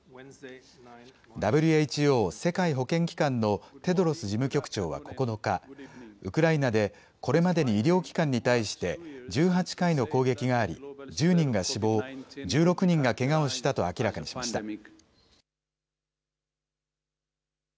ＷＨＯ・世界保健機関のテドロス事務局長は９日、ウクライナでこれまでに医療機関に対して１８回の攻撃があり１０人が死亡、１６人がけがをしたと明らかにしました。